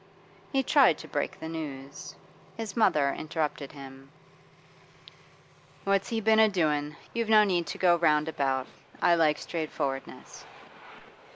He tried to break the news. His mother interrupted him. 'What's he been a doin'? You've no need to go round about. I like straightforwardness.